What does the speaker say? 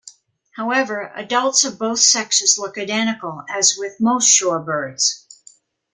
However, adults of both sexes look identical, as with most shorebirds.